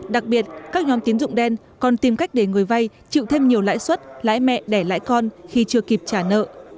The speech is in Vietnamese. đặc biệt các nhóm tiến dụng đen còn tìm cách để người vay chịu thêm nhiều lãi suất lãi mẹ đẻ lãi con khi chưa kịp trả nợ